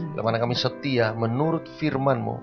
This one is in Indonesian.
bila mana kami setia menurut firmanmu